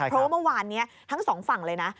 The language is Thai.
เพราะว่าเมื่อวานนี้ทั้งสองฝั่งเลยนะ